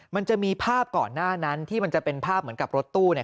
มันจะมีภาพก่อนหน้านั้นที่มันจะเป็นภาพเหมือนกับรถตู้เนี่ย